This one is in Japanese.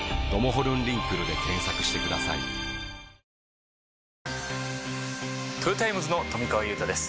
このあとトヨタイムズの富川悠太です